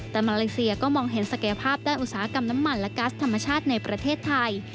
แต่มาเลเซียก็มองเห็นศักยภาพด้านอุตสาหกรรมน้ำมันและกัสธรรมชาติในประเทศไทย